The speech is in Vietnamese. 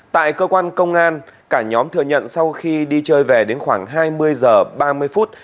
tại cơ quan công an cả nhóm thừa nhận sau khi đi chơi về đến khoảng hai mươi giờ ba mươi phút